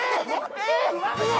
えっ！